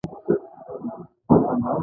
جین شارپ دا مسئله علمي کړه.